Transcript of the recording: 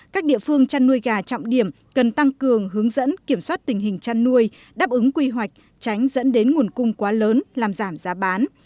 các địa phương chăn nuôi gà trọng điểm cần tăng cường hướng dẫn kiểm soát tình hình chăn nuôi đáp ứng quy hoạch tránh dẫn đến nguồn cung quá lớn làm giảm giá bán